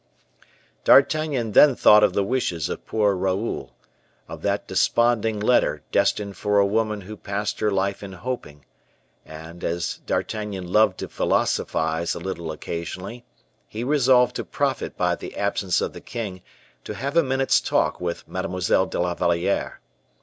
D'Artagnan then thought of the wishes of poor Raoul, of that desponding letter destined for a woman who passed her life in hoping, and as D'Artagnan loved to philosophize a little occasionally, he resolved to profit by the absence of the king to have a minute's talk with Mademoiselle de la Valliere.